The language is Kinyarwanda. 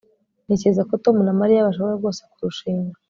ntekereza ko tom na mariya bashobora rwose kurushinga